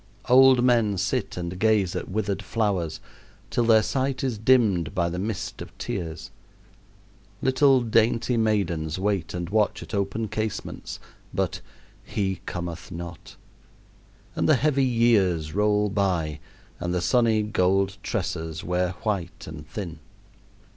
Old men sit and gaze at withered flowers till their sight is dimmed by the mist of tears. Little dainty maidens wait and watch at open casements; but "he cometh not," and the heavy years roll by and the sunny gold tresses wear white and thin.